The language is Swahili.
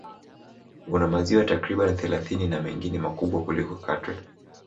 Una maziwa takriban thelathini na mengine makubwa kuliko Katwe